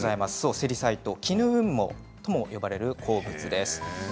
セリサイト、絹雲母とも呼ばれる鉱物です。